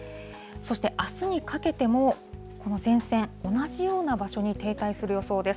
そしてあすにかけても、この前線、同じような場所に停滞する予想です。